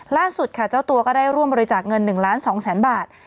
ล่าสุดค่ะเจ้าตัวก็ได้ร่วมบริจาคเงิน๑ล้าน๒แสนบาท